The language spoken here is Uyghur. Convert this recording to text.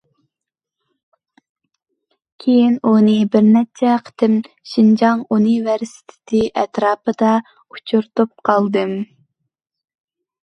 كېيىن ئۇنى بىرنەچچە قېتىم شىنجاڭ ئۇنىۋېرسىتېتى ئەتراپىدا ئۇچرىتىپ قالدىم.